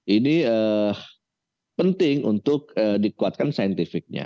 ini penting untuk dikuatkan scientific nya